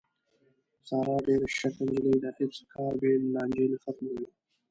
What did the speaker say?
ساره ډېره شیشکه نجیلۍ ده، هېڅ کار بې له لانجې نه ختموي.